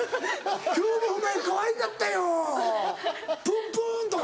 「今日もお前かわいかったよプンプン」とか。